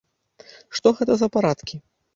Што гэта за парадкі!